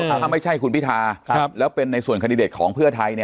ถ้าไม่ใช่คุณพิทาแล้วเป็นในส่วนคันดิเดตของเพื่อไทย